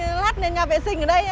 sao lại cô gạch lát nhà vệ sinh ở đây